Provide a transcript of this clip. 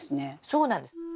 そうなんです。